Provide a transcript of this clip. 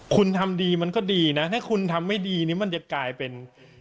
คุณทำดีมันก็ดีนะถ้าคุณทำไม่ดีนี่มันจะกลายเป็น